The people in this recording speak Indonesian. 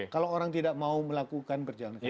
kalau orang tidak mau melakukan perjalanan